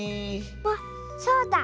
あっそうだ！